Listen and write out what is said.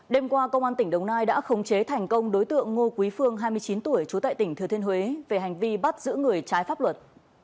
đêm qua công an tỉnh đồng nai đã khống chế thành công đối tượng ngô quý phương hai mươi chín tuổi trú tại tỉnh thừa thiên huế về hành vi bắt giữ người trái pháp luật